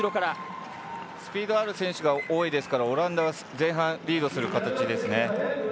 スピードのある選手が多いですからオランダは前半リードする形ですね。